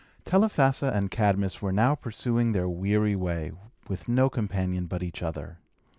Telephassa and Cadmus were now pursuing their weary way, with no companion but each other.